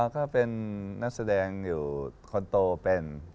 ก็เป็นนักแสดงอยู่คนโตเป็น